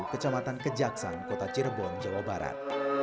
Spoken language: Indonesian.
kecamatan kejaksan kota cirebon jawa barat